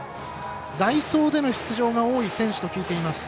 代走での出場が多い選手と聞いています。